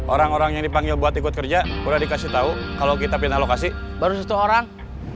orang orang yang dipanggil buat ikut kerja udah dikasih tau kalau kita pindah lokasi baru satu orang